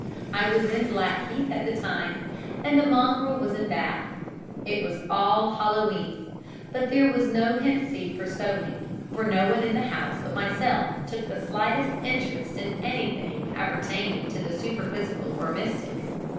I was in Blackheath at the time, and the mongrel was in Bath. It was All Hallow E'en, but there was no hempseed sowing, for no one in the house but myself took the slightest interest in anything appertaining to the superphysical or mystic.